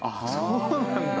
そうなんだ。